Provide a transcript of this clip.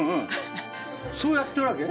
そうやってるわけ？